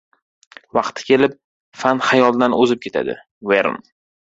Vaqti kelib fan xayoldan o‘zib ketadi. Vern